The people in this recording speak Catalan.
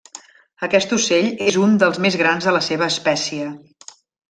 Aquest ocell és un dels més grans de la seva espècie.